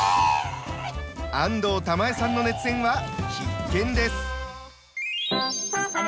安藤玉恵さんの熱演は必見です。